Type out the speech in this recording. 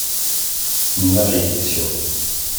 Malédiction !